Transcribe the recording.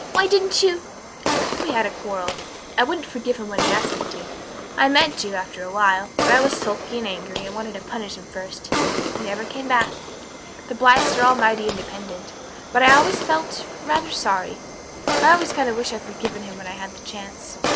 why didn't you " "We had a quarrel. I wouldn't forgive him when he asked me to. I meant to, after awhile but I was sulky and angry and I wanted to punish him first. He never came back the Blythes were all mighty independent. But I always felt rather sorry. I've always kind of wished I'd forgiven him when I had the chance."